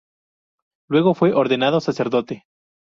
Luego fue ordenado sacerdote.